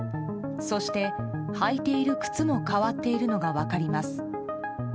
そして履いている靴も変わっているのが分かります。